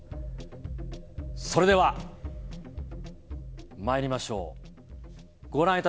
それでは参りましょう。